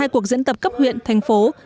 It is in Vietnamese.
hai mươi hai cuộc diễn tập cấp huyện thành phố